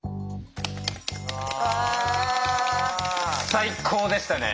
最高でしたね。